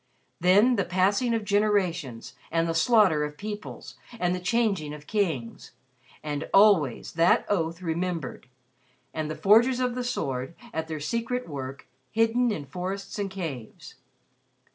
Then the passing of generations and the slaughter of peoples and the changing of kings, and always that oath remembered, and the Forgers of the Sword, at their secret work, hidden in forests and caves.